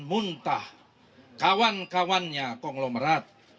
muntah kawan kawannya konglomerat